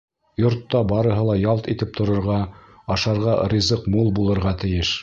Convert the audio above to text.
Йортта барыһы ла ялт итеп торорға, ашарға ризыҡ мул булырға тейеш.